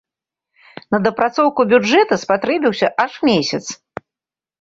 На дапрацоўку бюджэта спатрэбіўся аж месяц.